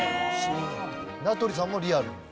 名取さんもリアル？